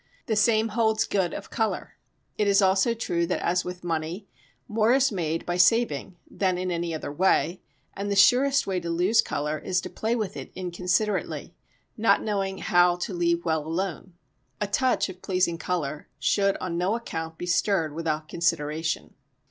The same holds good of colour. It is also true that, as with money, more is made by saving than in any other way, and the surest way to lose colour is to play with it inconsiderately, not knowing how to leave well alone. A touch of pleasing colour should on no account be stirred without consideration.